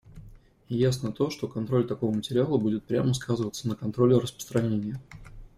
И ясно то, что контроль такого материала будет прямо сказываться на контроле распространения.